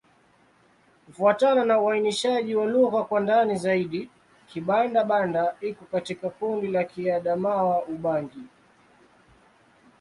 Kufuatana na uainishaji wa lugha kwa ndani zaidi, Kibanda-Banda iko katika kundi la Kiadamawa-Ubangi.